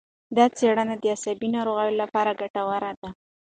دا څېړنه د عصبي ناروغیو لپاره ګټوره ده.